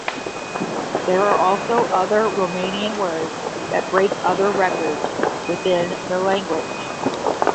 There are also other Romanian words that break other records within the language.